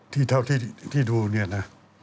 ที่เท่าที่ดูนี่นะ